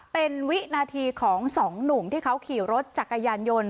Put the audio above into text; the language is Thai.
เป็นวินาทีของสองหนุ่มที่เขาขี่รถจักรยานยนต์